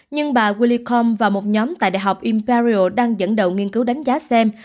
nhưng bà wilcombe và một nhóm tại đại học imperial đang dẫn đầu nghiên cứu đánh giá xem